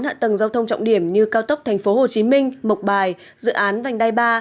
hạ tầng giao thông trọng điểm như cao tốc tp hcm mộc bài dự án vành đai ba